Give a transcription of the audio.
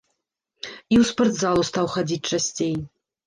І ў спартзалу стаў хадзіць часцей.